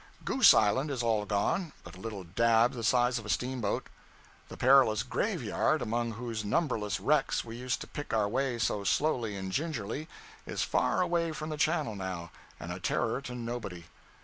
Goose Island is all gone but a little dab the size of a steamboat. The perilous 'Graveyard,' among whose numberless wrecks we used to pick our way so slowly and gingerly, is far away from the channel now, and a terror to nobody.